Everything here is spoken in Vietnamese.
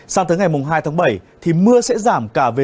sang tới ngày hai tháng bảy thì mưa sẽ giảm cả về